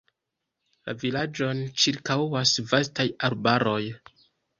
La vilaĝon ĉirkaŭas vastaj arbaroj.